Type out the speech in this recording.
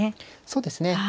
そうですね。